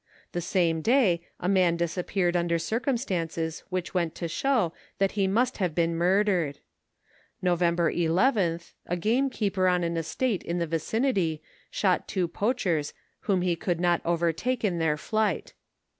The same day a man disappeared under circunistances which went to show that he must have been murdered. November 11th, a game keeper on an estate in the vicinity, shot two poachers whom he could not overtake in their flight.